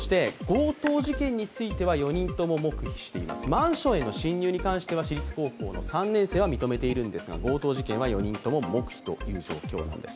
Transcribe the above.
マンションへの侵入に関しては私立高校３年生は認めているんですが強盗事件は４人とも黙秘という状況なんです。